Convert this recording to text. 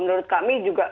menurut kami juga